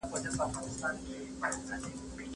که انلاین زده کړه وي، زده کړه د واټن له امله نه درېږي.